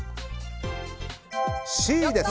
Ｃです。